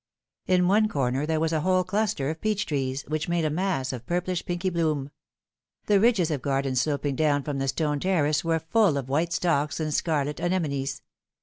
In one corner there was a whole cluster of peach trees, which made a mass of purplish pinky bloom. The ridges of garden sloping down from the stone terrace were full of white stocks and scarlet anemones.